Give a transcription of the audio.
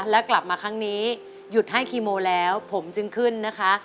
และกลับมาครั้งนี้หยุดให้คีโมแล้วผมจึงขึ้นนะคะ